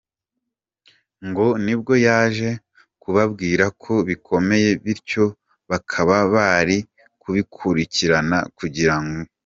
ngo nibwo yaje kubabwira ko bikomeye bityo bakaba bari kubikurikirana kugira